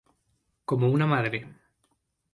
Como una madre".